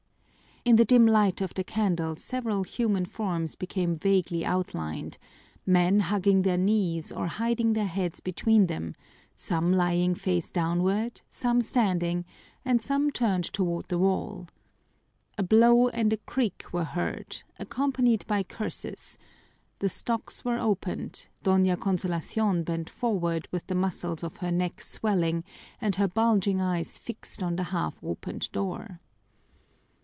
In the dim light of the candle several human forms became vaguely outlined: men hugging their knees or hiding their heads between them, some lying face downward, some standing, and some turned toward the wall. A blow and a creak were heard, accompanied by curses the stocks were opened, Doña Consolacion bent forward with the muscles of her neck swelling and her bulging eyes fixed on the half opened door.